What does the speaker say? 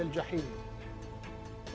dan sehingga mereka pergi ke kegelapan